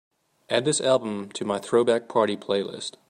add this album to my Throwback Party playlist